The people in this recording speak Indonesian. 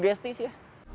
gak sugesti sih ya